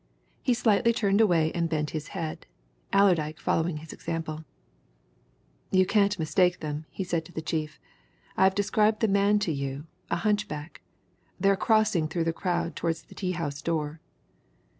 He slightly turned away and bent his head; Allerdyke followed his example. "You can't mistake them," he said to the chief. "I've described the man to you a hunchback. They're crossing through the crowd towards the tea house door."